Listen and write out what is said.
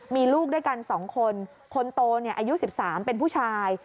มีลูกด้วยกัน๒คนคนโตอายุ๑๓เป็นผู้ชาย